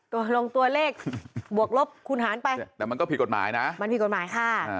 ลงตัวเลขบวกลบคูณหารไปแต่มันก็ผิดกฎหมายนะมันผิดกฎหมายค่ะ